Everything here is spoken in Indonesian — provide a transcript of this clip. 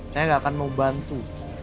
saya gak akan mau bantu